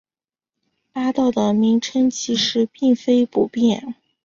八道的名称其实并非不变。